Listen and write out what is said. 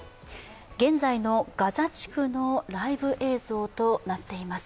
現在のガザ地区のライブ映像となっています。